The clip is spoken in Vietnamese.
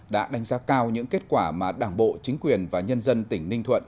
đã đánh giá cao những kết quả mà đảng bộ chính quyền và nhân dân tỉnh ninh thuận